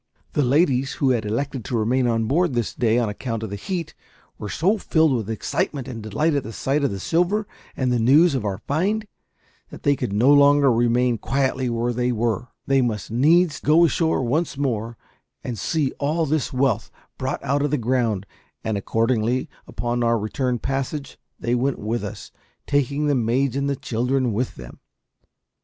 The ladies, who had elected to remain on board this day on account of the heat, were so filled with excitement and delight at the sight of the silver and the news of our find, that they could no longer remain quietly where they were; they must needs go ashore once more and see all this wealth brought out of the ground; and accordingly, upon our return passage, they went with us, taking the maids and children with them.